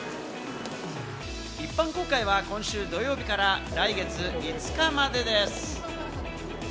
一般公開は今週土曜日から来月５日までです。